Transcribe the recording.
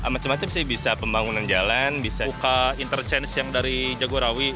macem macem sih bisa pembangunan jalan bisa buka interchange yang dari jagorawi